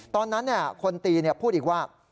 ตอนนั้นคนตีพูดอีกว่า